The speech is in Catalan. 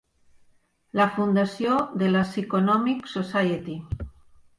La fundació de la Psychonomic Society.